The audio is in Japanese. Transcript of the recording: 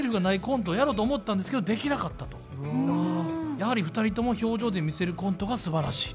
やはり２人とも表情で見せるコントがすばらしい。